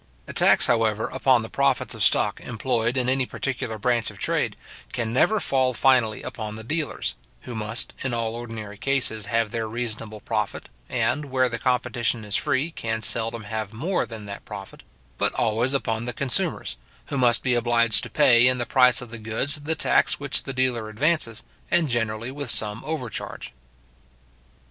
A tax, however, upon the profits of stock employed in any particular branch of trade, can never fall finally upon the dealers (who must in all ordinary cases have their reasonable profit, and, where the competition is free, can seldom have more than that profit), but always upon the consumers, who must be obliged to pay in the price of the goods the tax which the dealer advances; and generally with some overcharge.